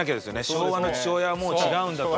昭和の父親はもう違うんだと。